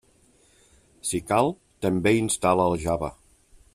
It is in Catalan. Si cal, també instal·la el Java.